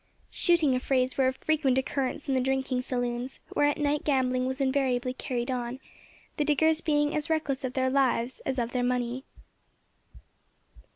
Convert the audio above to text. Shooting affrays were of frequent occurrence in the drinking saloons, where at night gambling was invariably carried on, the diggers being as reckless of their lives as of their money.